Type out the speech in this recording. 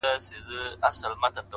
موخه لرونکی انسان د وخت قدر ښه پېژني